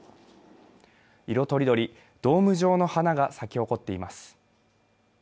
色とりどり、ドーム状の花が咲き誇っています。